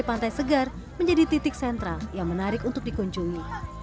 pantai segar menjadi titik sentral yang menarik untuk dikunjungi